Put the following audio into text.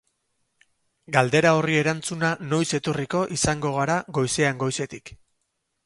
Galdera horri erantzuna noiz etorriko izango gara goizean goizetik.